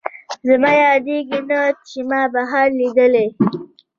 زما یادېږي نه، چې ما بهار لیدلی